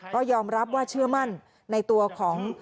ก็ยอมรับว่าเชื่อมั่นในตัวของ